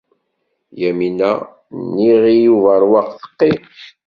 Yamina n Yiɣil Ubeṛwaq teqqim.